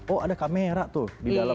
oh ada kamera tuh di dalam